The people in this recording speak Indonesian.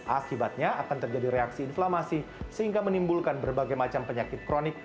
akibatnya akan terjadi reaksi inflamasi sehingga menimbulkan berbagai macam penyakit kronik